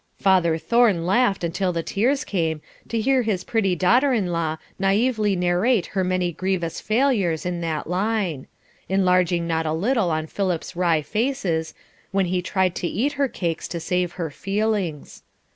Father Thorne laughed until the tears came, to hear his pretty daughter in law naively narrate her many grievous failures in that line, enlarging not a little on Philip's wry faces, when he tried to eat her cakes to save her feelings.